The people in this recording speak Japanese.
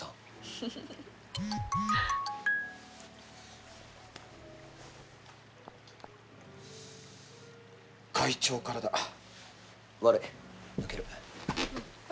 フフフフ・会長からだ悪い抜けるご